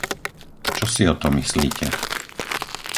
Čo si o tom myslíte?